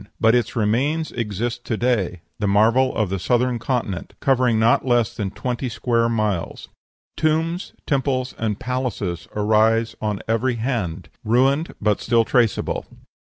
But its remains exist to day, the marvel of the Southern Continent, covering not less than twenty square miles. Tombs, temples, and palaces arise on every hand, ruined but still traceable.